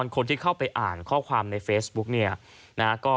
คนที่เข้าไปอ่านข้อความในเฟซบุ๊ก